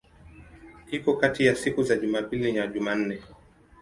Iko kati ya siku za Jumapili na Jumanne.